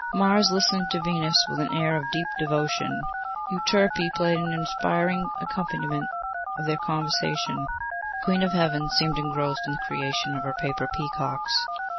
Mars listened to Venus with an air of deep devotion. Euterpe played an inspiring accompaniment to their conversation. The Queen of Heaven seemed engrossed in the creation of her paper peacocks.